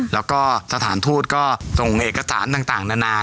แล้วก็สถานทูตก็ส่งเอกสารต่างนานา